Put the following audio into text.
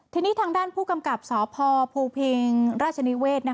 ทีนี้ทางด้านผู้กำกับสพภูพิงราชนิเวศ